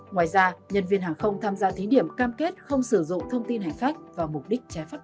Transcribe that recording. ngoài ra nhân viên hàng không tham gia thí điểm cam kết không sử dụng thông tin hành khách vào mục đích trái pháp luật